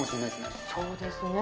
そうですね。